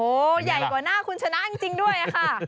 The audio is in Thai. โอ้โหใหญ่กว่าหน้าคุณชนะจริงด้วยค่ะ